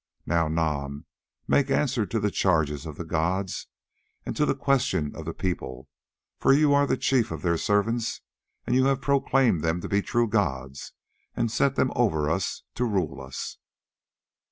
Now, Nam, make answer to the charges of the gods, and to the questions of the people, for you are the chief of their servants and you have proclaimed them to be true gods and set them over us to rule us."